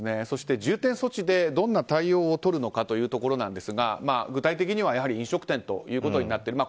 そして重点措置でどんな対応をとるのかというところですが具体的にはやはり飲食店ということになって。